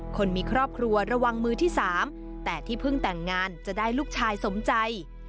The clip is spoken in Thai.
คนมีครอบครัวระวังมือที่๓แต่ที่เพิ่งแต่งงานจะได้ลูกชายสมใจ